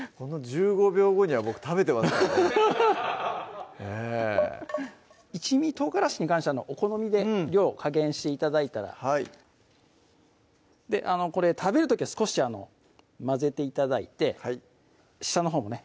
１５秒後には僕食べてますからねええ一味唐辛子に関してはお好みで量を加減して頂いたらこれ食べる時は少し混ぜて頂いて下のほうもね